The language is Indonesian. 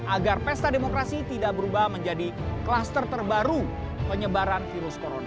agar pesta demokrasi tidak berubah menjadi kluster terbaru penyebaran virus corona